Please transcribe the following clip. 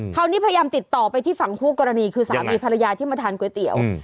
คราวนี้พยายามติดต่อไปที่ฝั่งคู่กรณีคือสามีภรรยาที่มาทานก๋วยเตี๋ยว